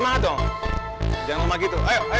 ya nanti aku harus berjaga'nya